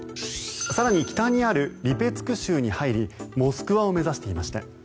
更に、北にあるリペツク州に入りモスクワを目指していました。